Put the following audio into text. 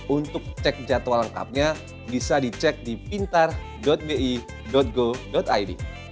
untuk cek jadwal lengkapnya bisa dicek di pintar bi go id